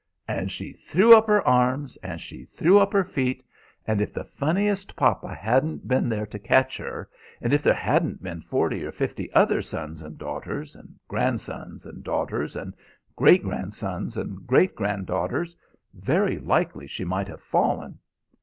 And she threw up her arms, and she threw up her feet, and if the funniest papa hadn't been there to catch her, and if there hadn't been forty or fifty other sons and daughters, and grandsons and daughters, and great grandsons and great granddaughters, very likely she might have fallen.